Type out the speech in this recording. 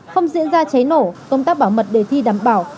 không diễn ra cháy nổ công tác bảo mật đề thi đảm bảo